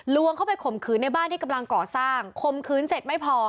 วงเข้าไปข่มขืนในบ้านที่กำลังก่อสร้างคมคืนเสร็จไม่พอ